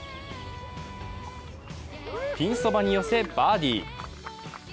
ピンそばに寄せ、バーディー。